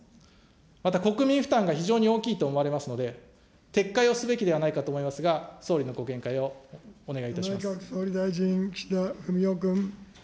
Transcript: また、国民負担が非常に大きいと思われますので、撤回をすべきではないかと思いますが、内閣総理大臣、岸田文雄君。